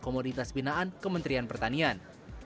komoditas binaan kementerian pertanian